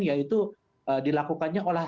yaitu dilakukannya olah